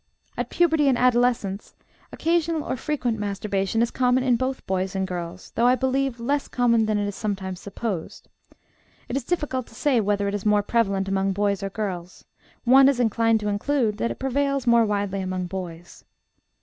At puberty and adolescence occasional or frequent masturbation is common in both boys and girls, though, I believe, less common than is sometimes supposed; it is difficult to say whether it is more prevalent among boys or girls; one is inclined to conclude that it prevails more widely among boys.